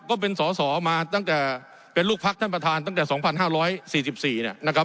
ก็เป็นสอสอมาตั้งแต่เป็นลูกพักท่านประธานตั้งแต่สองพันห้าร้อยสี่สิบสี่เนี่ยนะครับ